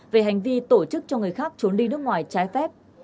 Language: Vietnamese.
về hành vi tổ chức cho người khác trốn đi nước ngoài trái phép